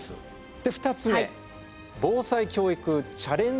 で２つ目「防災教育チャレンジプラン」。